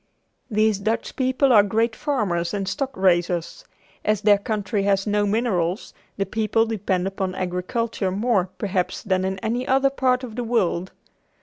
These Dutch people are great farmers and stock raisers. As their country has no minerals, the people depend upon agriculture more perhaps than in any other part of the world.